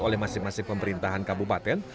oleh masing masing pemerintahan kabupaten